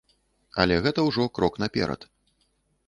Але гэта ўжо крок наперад.